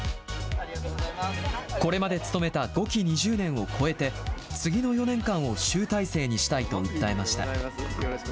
これまで務めた５期２０年を超えて、次の４年間を集大成にしたいと訴えました。